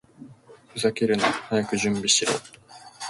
ふざけるな！早く準備しろ！